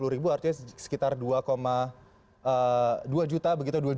empat ratus tiga puluh ribu artinya sekitar dua dua juta